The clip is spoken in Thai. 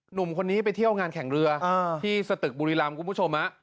หนุ่มคนนี้ไปเที่ยวงานแข่งเรือที่สตึกบุรีรำคุณผู้ชม